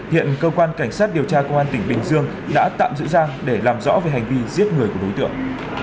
hiện cơ quan cảnh sát điều tra công an tỉnh bình dương đã tạm giữ giang để làm rõ về hành vi giết người của đối tượng